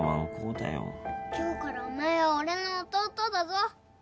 今日からお前は俺の弟だぞ